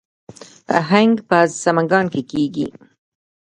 هنګ په سمنګان کې کیږي